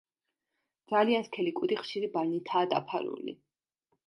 ძალიან სქელი კუდი ხშირი ბალნითაა დაფარული.